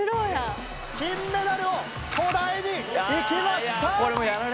金メダルを捉えに行きました！